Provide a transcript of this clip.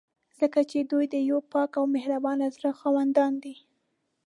ځکه چې دوی د یو پاک او مهربانه زړه خاوندان دي.